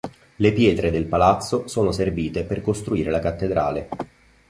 Le pietre del palazzo sono servite per costruire la cattedrale.